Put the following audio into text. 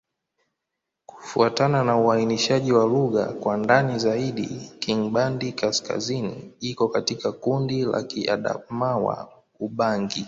Kufuatana na uainishaji wa lugha kwa ndani zaidi, Kingbandi-Kaskazini iko katika kundi la Kiadamawa-Ubangi.